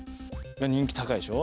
人気高いでしょ？